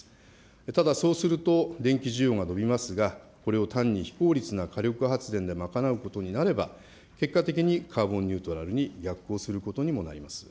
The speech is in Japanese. ただそうすると電気需要が伸びますが、これを単に非効率な火力発電で賄うことになれば、結果的にカーボンニュートラルに逆行することにもなります。